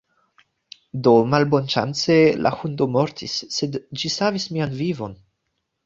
Do malbonŝance, la hundo mortis, sed ĝi savis mian vivon